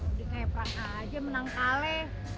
udah kayak perang aja menang kalah